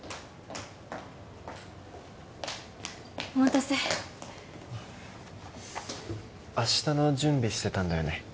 お待たせ明日の準備してたんだよね？